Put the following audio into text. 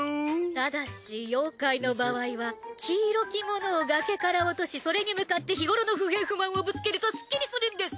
ただし妖怪の場合は「黄色きものを崖から落としそれに向かって日頃の不平不満をぶつけるとすっきりする」んです。